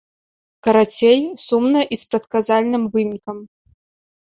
Карацей, сумна і з прадказальным вынікам.